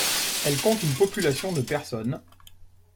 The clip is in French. Elle compte une population de personnes.